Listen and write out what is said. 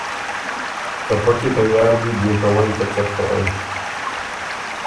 که پۀ کی تیار بئ، بيې کوئ که څه بو کوئ۔